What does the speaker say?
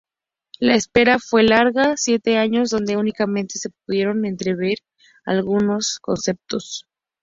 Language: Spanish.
La espera fue larga, siete años donde únicamente se pudieron entrever algunos "concept car".